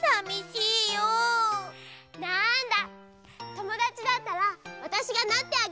ともだちだったらわたしがなってあげるよ。